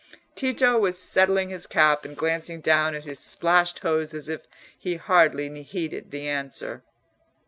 Tito was settling his cap and glancing down at his splashed hose as if he hardly heeded the answer.